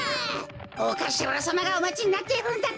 おかしらさまがおまちになっているんだってか！